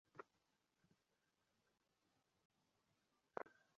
আস্তে, আস্তে, আস্তে, আস্তে।